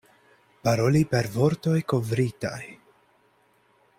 Paroli per vortoj kovritaj.